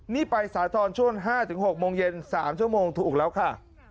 นี่ไปสาธรณ์ช่วง๕๖โมงเย็น๓ชั่วโมงถูกแล้วค่ะ